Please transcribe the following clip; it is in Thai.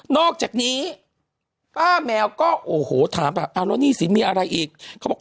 อกจากนี้ป้าแมวก็โอ้โหถามแบบเอาแล้วหนี้สินมีอะไรอีกเขาบอก